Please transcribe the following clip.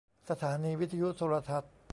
สถานีวิทยุโทรทัศน์